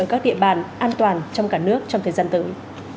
các địa bàn an toàn trong cả nước trong thời gian tới